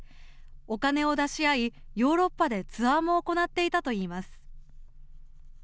お金を出し合いヨーロッパでツアーも行っていたといいます。